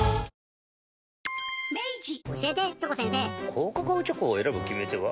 高カカオチョコを選ぶ決め手は？